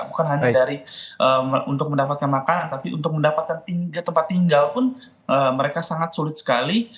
bukan hanya dari untuk mendapatkan makanan tapi untuk mendapatkan tempat tinggal pun mereka sangat sulit sekali